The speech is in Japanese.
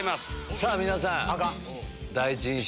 さぁ皆さん第一印象。